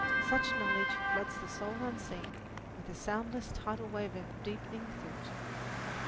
Such knowledge floods the soul unseen with a soundless tidal wave of deepening thought.